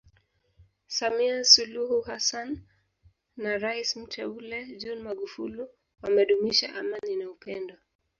Samia Suluhu Hassan na rais Mteule John Magufuli wamedumisha amani na upendo